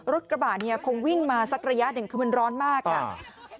รถกระบะเนี่ยคงวิ่งมาสักระยะหนึ่งคือมันร้อนมากอ่ะ